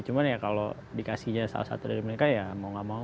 cuman ya kalau dikasihnya salah satu dari mereka ya mau gak mau